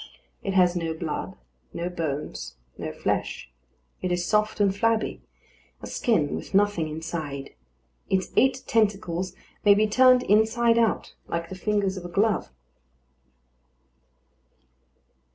It has no blood, no bones, no flesh. It is soft and flabby; a skin with nothing inside. Its eight tentacles may be turned inside out like the fingers of a glove.